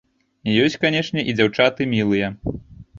Ёсць, канечне, і дзяўчаты мілыя.